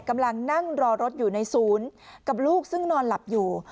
กำลังนั่งรอรถอยู่ในศูนย์กับลูกซึ่งนอนหลับอยู่